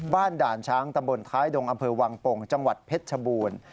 ด่านช้างตำบลท้ายดงอำเภอวังโป่งจังหวัดเพชรชบูรณ์